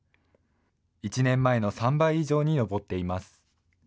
１年前の３倍以上に上っています。